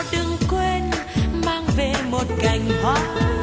đừng quên mang về một cành hoa